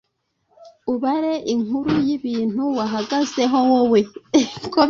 Ubare inkuru y’ibintu wahagazeho wowe